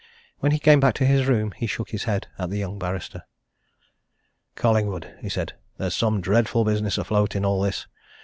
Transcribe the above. When he came back to his room he shook his head at the young barrister. "Collingwood!" he said. "There's some dreadful business afloat in all this!